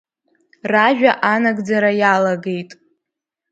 Ражәа анагӡара иалагеит.